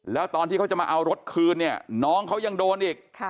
แล้วตอนที่เขาจะมาเอารถคืนเนี่ยน้องเขายังโดนอีก